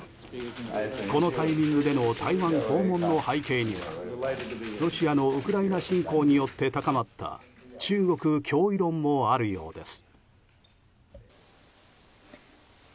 このタイミングでの台湾訪問の背景にはロシアのウクライナ侵攻によって高まった中国脅威論もあるようです。